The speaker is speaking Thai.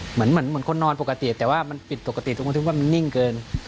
เหมือนคนนอนปกติแต่ว่ามันปิดปกติทุกวันที่ว่ามันนิ่งเกิน